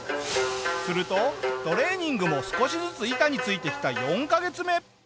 するとトレーニングも少しずつ板についてきた４カ月目。